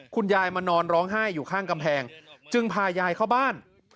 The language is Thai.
คุณยายมานอนร้องไห้อยู่ข้างกำแพงจึงพายายเข้าบ้าน